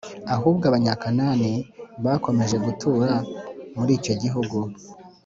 ahubwo Abanyakanani bakomeje gutura muri icyo gihugu.